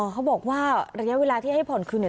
เขาบอกว่าระยะเวลาที่ให้ผ่อนคืน